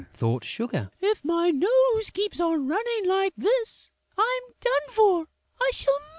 thought Sugar. "If my nose keeps on running like this, I'm done for: I shall melt!"